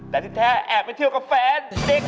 แต่ที่แท้แอบไปเที่ยวกับแฟนเด็ก